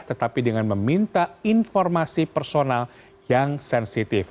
tetapi dengan meminta informasi personal yang sensitif